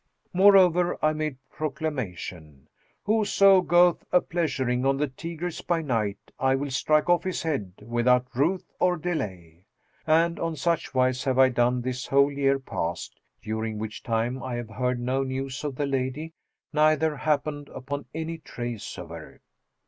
Moreover, I made proclamation, 'Whoso goeth a pleasuring on the Tigris by night, I will strike off his head, without ruth or delay;' and on such wise have I done this whole year past, during which time I have heard no news of the lady neither happened upon any trace of her."